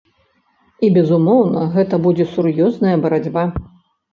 І безумоўна, гэта будзе сур'ёзная барацьба.